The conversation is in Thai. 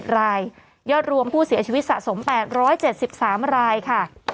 รายยอดรวมผู้เสียชีวิตสะสม๘๗๓รายค่ะ